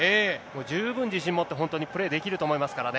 十分自信持って、本当にプレーできると思いますからね。